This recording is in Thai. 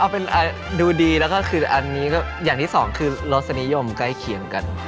เป็นดูดีแล้วก็คืออันนี้ก็อย่างที่สองคือรสนิยมใกล้เคียงกัน